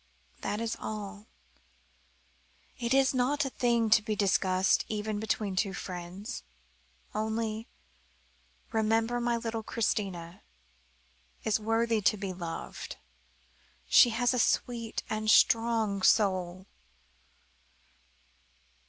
That is all. It is not a thing to be discussed, even between two friends. Only remember that my little Christina is worthy to be loved. She has a sweet and a strong soul."